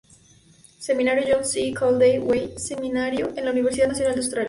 Seminario John C. Caldwell Seminario" en la Universidad Nacional de Australia.